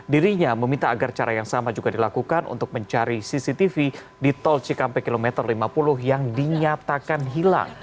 dirinya meminta agar cara yang sama juga dilakukan untuk mencari cctv di tol cikampek kilometer lima puluh yang dinyatakan hilang